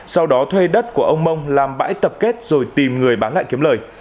sau đó thuê đất của ông mông làm bãi tập kết rồi tìm người bán lại kiếm lời